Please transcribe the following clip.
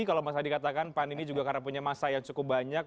kalau mas hadi katakan pan ini juga karena punya masa yang cukup banyak